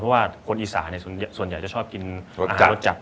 เพราะว่าคนอีสานส่วนใหญ่จะชอบกินรสจัด